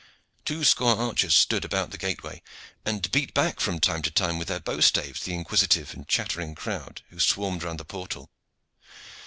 Two score archers stood about the gateway, and beat back from time to time with their bow staves the inquisitive and chattering crowd who swarmed round the portal.